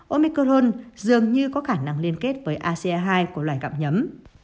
omicron dường như có khả năng liên kết với ace hai của loài gạm nhấm